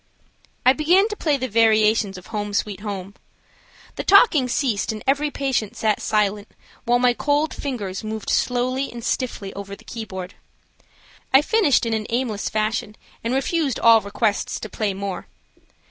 I began to play the variations of "Home Sweet Home." The talking ceased and every patient sat silent, while my cold fingers moved slowly and stiffly over the keyboard. I finished in an aimless fashion and refused all requests to play more.